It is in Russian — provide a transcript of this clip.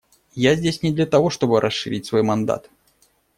Я здесь не для того, чтобы расширить свой мандат.